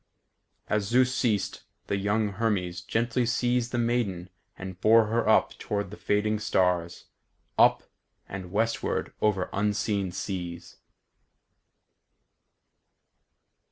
As Zeus ceased, the young Hermes gently seized the maiden and bore her up toward the fading stars; up, and westward over unseen seas.